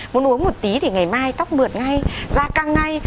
muốn uống một tí thì ngày mai tóc bượt ngay da căng ngay